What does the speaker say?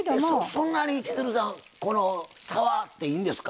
そんなに千鶴さん触っていいんですか？